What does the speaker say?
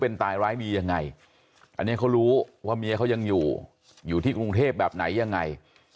เป็นตายร้ายดียังไงอันนี้เขารู้ว่าเมียเขายังอยู่อยู่ที่กรุงเทพแบบไหนยังไง